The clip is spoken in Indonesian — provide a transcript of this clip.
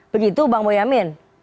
begitu bang boyamin